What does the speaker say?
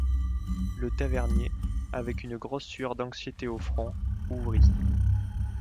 Le tavernier, avec une grosse sueur d’anxiété au front, ouvrit.